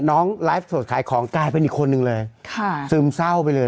ไลฟ์สดขายของกลายเป็นอีกคนนึงเลยค่ะซึมเศร้าไปเลย